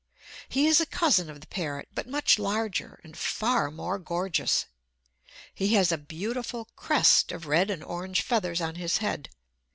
He is a cousin of the parrot, but much larger, and far more gorgeous. He has a beautiful crest of red and orange feathers on his head.